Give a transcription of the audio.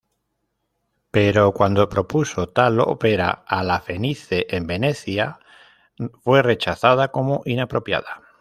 Pero cuando propuso tal ópera a La Fenice en Venecia, fue rechazada como inapropiada.